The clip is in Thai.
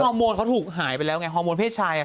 อร์โมนเขาถูกหายไปแล้วไงฮอร์โมนเพศชาย